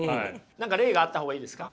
何か例があった方がいいですか？